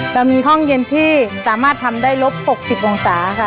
เรามีห้องเย็นที่สามารถทำได้ลบ๖๐องศาค่ะ